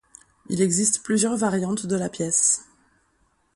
Il existe plusieurs variantes de la pièce.